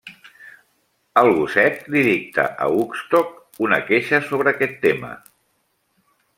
El gosset li dicta a Woodstock una queixa sobre aquest tema.